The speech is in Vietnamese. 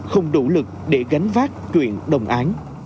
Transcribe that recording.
không đủ lực để gánh vác chuyện đồng án